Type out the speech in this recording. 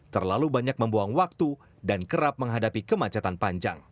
terlalu banyak membuang waktu dan kerap menghadapi kemacetan panjang